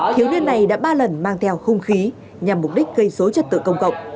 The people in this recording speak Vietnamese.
thiếu niên này đã ba lần mang theo khung khí nhằm mục đích gây rối trật tự công cộng